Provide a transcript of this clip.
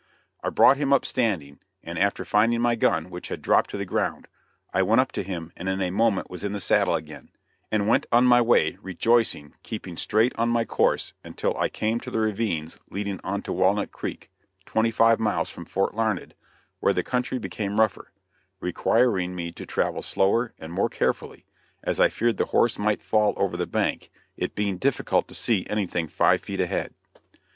I brought him up standing, and after finding my gun, which had dropped to the ground, I went up to him and in a moment was in the saddle again, and went on my way rejoicing keeping straight on my course until I came to the ravines leading into Walnut Creek, twenty five miles from Fort Larned, where the country became rougher, requiring me to travel slower and more carefully, as I feared the horse might fall over the bank, it being difficult to see anything five feet ahead.